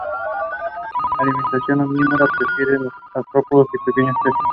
Alimentación omnívora prefiriendo los artrópodos y pequeños peces.